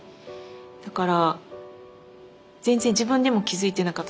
だから全然自分でも気付いてなかった。